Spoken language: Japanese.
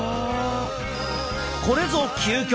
これぞ究極！